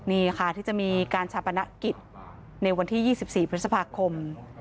นี่ค่ะที่จะมีการชาปนกิจในวันที่๒๔พฤษภาคม